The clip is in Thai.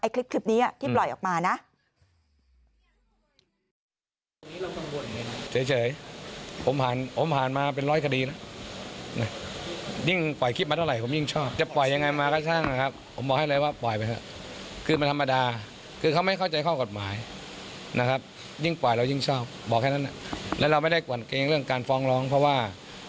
คลิปนี้ที่ปล่อยออกมานะ